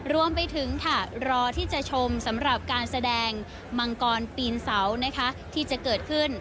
รวมไปถึงค่ะรอที่จะชมสำหรับการแสดงมังกรปีนเสานะคะที่จะเกิดขึ้น